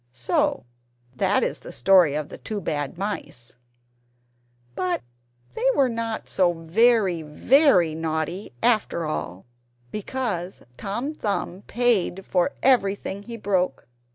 So that is the story of the two Bad Mice, but they were not so very very naughty after all, because Tom Thumb paid for everything he broke.